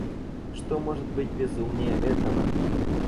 Что может быть безумнее этого.